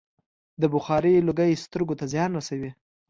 د بخارۍ لوګی سترګو ته زیان رسوي.